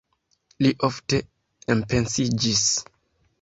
Li ofte enpensiĝis.